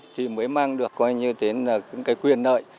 thì mới mang được coi như thế là cái quyền nợi